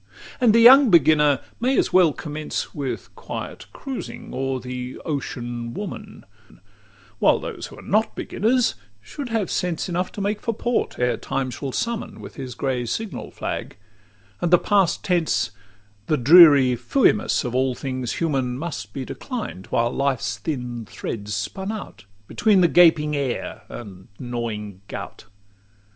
XL And young beginners may as well commence With quiet cruising o'er the ocean woman; While those who are not beginners should have sense Enough to make for port, ere time shall summon With his grey signal flag; and the past tense, The dreary "Fuimus" of all things human, Must be declined, while life's thin thread's spun out Between the gaping heir and gnawing gout.